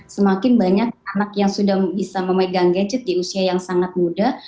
semakin banyak anak yang sudah bisa memegang gadget di usia yang sangat muda